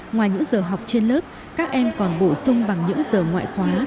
ngoài những giờ học trên lớp các em còn bổ sung bằng những giờ ngoại khóa